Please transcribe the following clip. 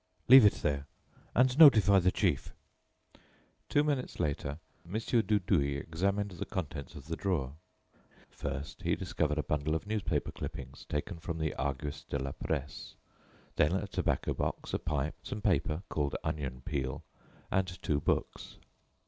"Leave it there, and notify the chief." Two minutes later Mon. Dudouis examined the contents of the drawer. First he discovered a bundle of newspaper clippings relating to Arsène Lupin taken from the Argus de la Presse, then a tobacco box, a pipe, some paper called "onion peel," and two books.